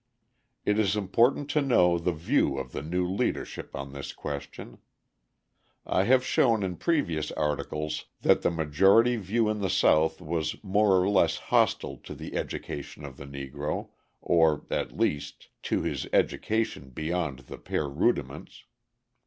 It is important to know the view of the new leadership on this question. I have shown in previous articles that the majority view in the South was more or less hostile to the education of the Negro, or, at least, to his education beyond the bare rudiments.